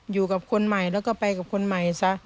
อยู่กับคนใหม่แล้วก็ไปกับคนใหม่ซะ